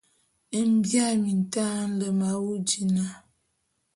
Mbia mintaé nlem awu dina!